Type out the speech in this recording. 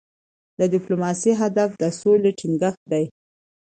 د ډيپلوماسی هدف د سولې ټینګښت دی.